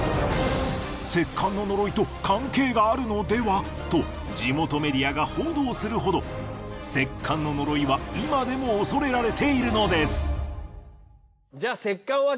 石棺の呪いと関係があるのではと地元メディアが報道するほど石棺の呪いは今でも恐れられているのです。